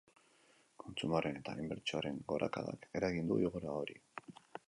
Kontsumoaren eta inbertsioaren gorakadak eragin du igoera hori.